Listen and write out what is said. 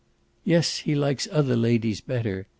"Yes, he likes other ladies better.